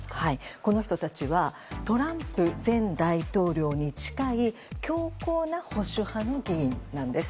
この人たちはトランプ前大統領に近い強硬な保守派の議員なんです。